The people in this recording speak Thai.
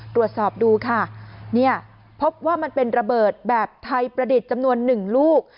ตรวจสอบดูค่ะเนี่ยพบว่ามันเป็นระเบิดแบบไทยประดิษฐ์จำนวน๑ลูก